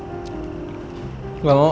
gak mau gak mood